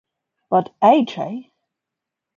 But A. J.